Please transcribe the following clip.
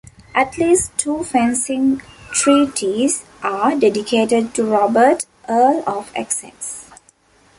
At least two fencing treatises are dedicated to Robert, Earl of Essex.